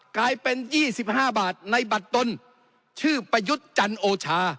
กลายเป็น๒๕บาทในบัตรตนชื่อประยุทธ์จันโอชา